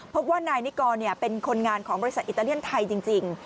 พบว่านายนิกรเป็นคนงานของบริษัทอิตาเลียนไทยจริง